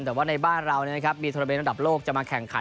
แต่ว่าในบ้านเรานะครับมีธุรกิจอันดับโลกจะมาแข่งขัน